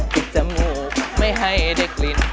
จมูกไม่ให้ได้กลิ่น